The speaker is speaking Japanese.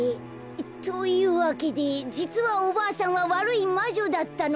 というわけでじつはおばあさんはわるいまじょだったのです。